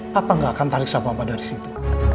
papa gak akan tarik saham papa dari situ